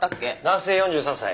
男性４３歳。